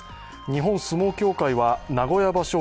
日本相撲協会は名古屋場所